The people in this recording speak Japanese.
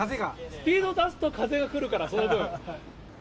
スピード出すと風が来るから、風量が。